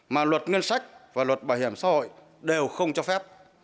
mà luật ngân sách và luật bảo hiểm xã hội đều không cho phép